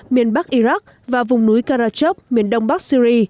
miền bắc iraq và vùng núi karachok miền đông bắc syri